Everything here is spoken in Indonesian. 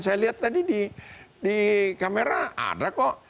saya lihat tadi di kamera ada kok